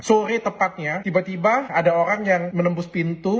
sore tepatnya tiba tiba ada orang yang menembus pintu